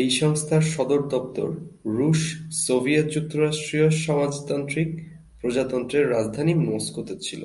এই সংস্থার সদর দপ্তর রুশ সোভিয়েত যুক্তরাষ্ট্রীয় সমাজতান্ত্রিক প্রজাতন্ত্রের রাজধানী মস্কোতে ছিল।